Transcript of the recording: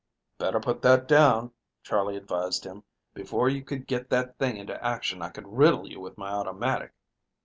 "Better put that down," Charley advised him. "Before you could get that thing into action I could riddle you with my automatic."